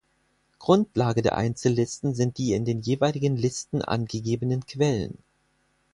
Grundlage der Einzellisten sind die in den jeweiligen Listen angegebenen Quellen.